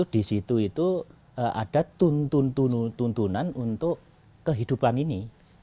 di situ ada tuntunan untuk kehidupan ini